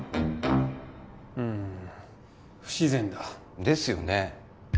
うーん不自然だですよね